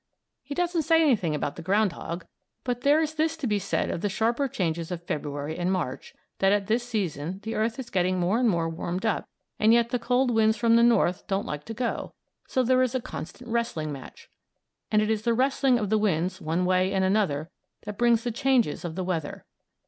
He doesn't say anything about the ground hog, but there is this to be said of the sharper changes of February and March, that at this season the earth is getting more and more warmed up and yet the cold winds from the North don't like to go; so there is a constant wrestling match, and it is the wrestling of the winds one way and another that brings the changes of the weather.